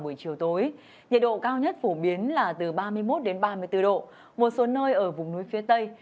nhiệt độ cao nhất phổ biến là từ ba mươi một đến ba mươi bốn độ một số nơi ở vùng núi phía tây